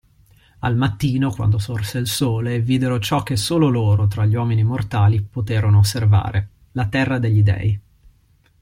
Al mattino, quando sorse il Sole, videro ciò che solo loro, tra gli uomini mortali, poterono osservare: la terra degli dèi.